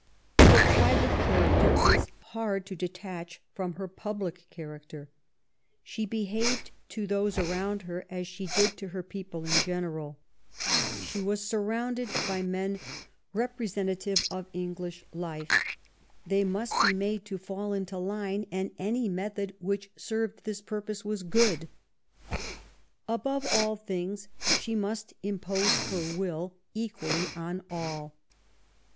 Her private character is hard to detach from her public character. She behaved to those around her as she did to her people in general. She was LAST YEARS OF ELIZABETH. 307 surrounded by men representative of English life; they must be made to fall into line ; and any method which served this purpose was good« Above all things she must impose her will equally on all.